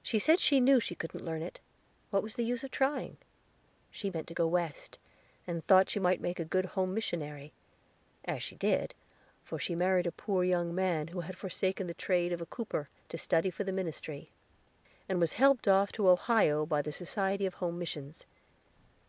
She said she knew she couldn't learn it; what was the use of trying? She meant to go West, and thought she might make a good home missionary, as she did, for she married a poor young man, who had forsaken the trade of a cooper, to study for the ministry, and was helped off to Ohio by the Society of Home Missions.